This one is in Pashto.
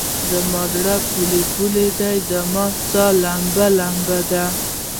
زما زړه پولۍ پولۍدی؛ رما سا لمبه لمبه ده